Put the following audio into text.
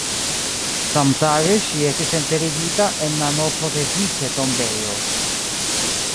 Samtage ŝi estis enterigita en la Novodeviĉe-tombejo.